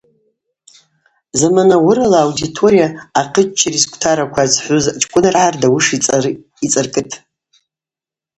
Заман ауырала аудитория ахъыччари згвтараква зхӏвуз чкӏвыныргӏа рдауыши йцӏаркӏытӏ.